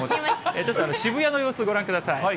ちょっと渋谷の様子、ご覧ください。